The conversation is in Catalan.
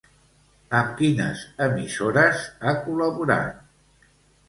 Amb quines emissores ha col·laborat?